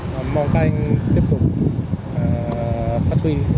mong các anh tiếp tục phát huynh